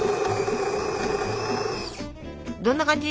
どんな感じ？